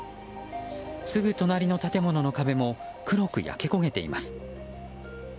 すぐ隣の建物の壁も黒く焼け焦げています。